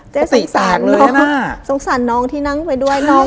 จะสงสารน้องที่นั่งไปด้วย